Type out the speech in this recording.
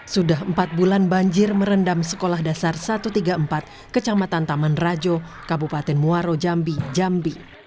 sudah empat bulan banjir merendam sekolah dasar satu ratus tiga puluh empat kecamatan taman rajo kabupaten muaro jambi jambi